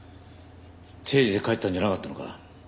定時で帰ったんじゃなかったのか？